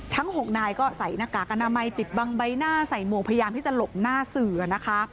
๖นายก็ใส่หน้ากากอนามัยปิดบังใบหน้าใส่หมวกพยายามที่จะหลบหน้าสื่อนะคะ